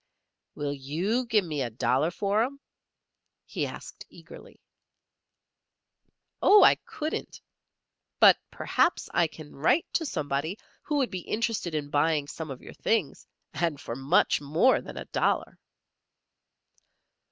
"Will you give me a dollar for 'em?" he asked, eagerly. "Oh, I couldn't! But perhaps I can write to somebody who would be interested in buying some of your things, and for much more than a dollar."